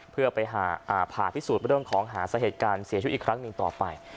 เพื่อไปผ่าพิสูจน์เรื่องของหาสาเหตุการเสียชีวิตอีกครั้งหนึ่งต่อไป